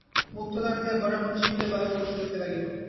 মুক্ত দ্বার দিয়া ঘরের মধ্যে শীতের বায়ু প্রবেশ করিতে লাগিল।